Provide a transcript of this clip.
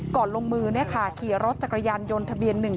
ก่อนลงมือขี่รถจักรยานยนต์ทะเบียนหนึ่ง